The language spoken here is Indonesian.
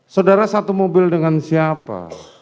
saudara satu mobil dengan siapa